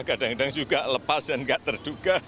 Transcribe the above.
kadang kadang juga lepas dan gak terduga